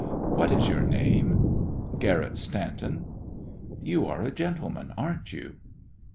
"What is your name?" "Garrett Stanton." "You are a gentleman, aren't you?"